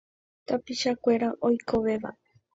Tapichakuéra oikovéva.